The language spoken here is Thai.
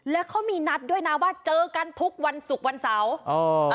แล้วเขามีนัดด้วยนะว่าเจอกันทุกวันศุกร์วันเสาร์